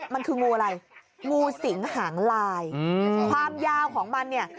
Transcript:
มันคืองูอะไรงูสิงหางลายความยาวของมันเนี่ย